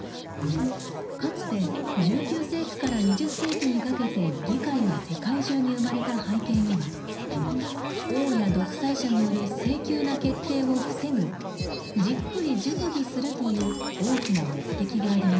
かつて１９世紀から２０世紀にかけて議会が世界中に生まれた背景には王や独裁者による性急な決定を防ぐじっくり「熟議」するという大きな目的がありました。